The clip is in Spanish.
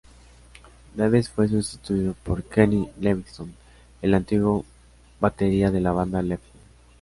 Davis fue sustituido por Kenny Livingston, el antiguo batería de la banda Lefty.